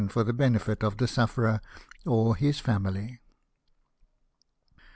r the l>fnefit of thp sufferer or his tViriiily.